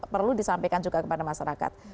perlu disampaikan juga kepada masyarakat